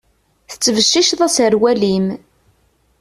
Tettbecciceḍ aserwal-im.